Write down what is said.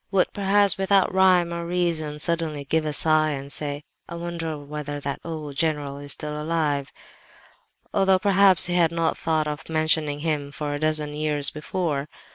—would perhaps, without rhyme or reason, suddenly give a sigh and say, "I wonder whether that old general is alive still!" Although perhaps he had not thought of mentioning him for a dozen years before!